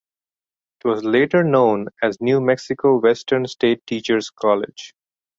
It was later known as New Mexico Western State Teachers College.